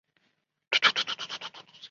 唐朝属江南西道。